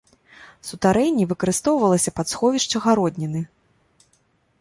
Сутарэнне выкарыстоўвалася пад сховішча гародніны.